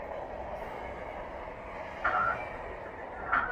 او ژوند يې له خطر سره مخ کيږي،